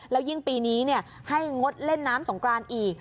แล้วยิ่งปีนี้ให้งดเล่นน้ำสงกรานอีก